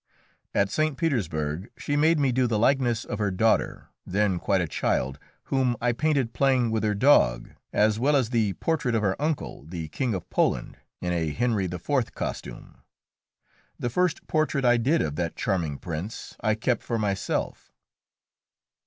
At St. Petersburg she made me do the likeness of her daughter, then quite a child, whom I painted playing with her dog, as well as the portrait of her uncle, the King of Poland, in a Henri IV. costume. The first portrait I did of that charming prince I kept for myself.